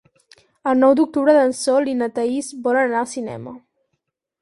El nou d'octubre en Sol i na Thaís volen anar al cinema.